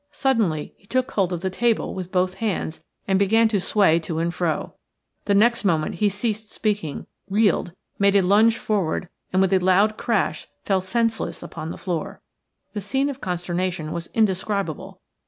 Suddenly he took hold of the table with both hands and began to sway to and fro. The next moment he ceased speaking, reeled, made a lunge forward, and, with a loud crash, fell senseless upon the floor. The scene of consternation was indescribable.